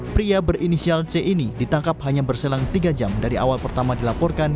pria berinisial c ini ditangkap hanya berselang tiga jam dari awal pertama dilaporkan